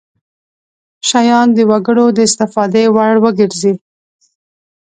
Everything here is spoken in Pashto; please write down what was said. شیان د وګړو د استفادې وړ وګرځي.